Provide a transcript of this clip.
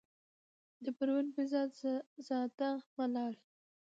د پروين فيض زاده ملال،